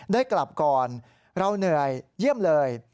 ได้กลับก่อนเราเหนื่อยเยี่ยมเลย